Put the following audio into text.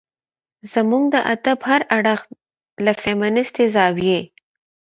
زموږ د ادب هر اړخ له فيمنستي زاويې